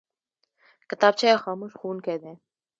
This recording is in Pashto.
کتابچه یو خاموش ښوونکی دی